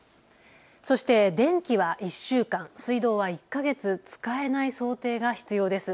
そして電気は１週間、水道は１か月使えない想定が必要です。